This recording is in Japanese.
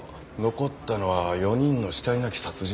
残ったのは４人の死体なき殺人か。